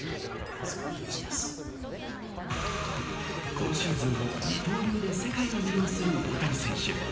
今シーズンも二刀流で世界を魅了する大谷選手。